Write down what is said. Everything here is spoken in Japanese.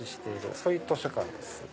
そういう図書館です。